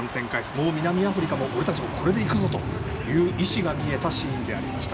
もう南アフリカも俺たちもこれで行くぞという意思が見えたシーンでした。